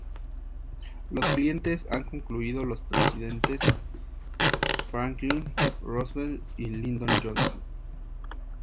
Los clientes han incluido los presidentes Franklin Roosevelt y Lyndon Johnson.